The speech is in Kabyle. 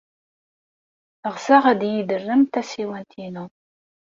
Ɣseɣ ad iyi-d-terrem tasiwant-inu.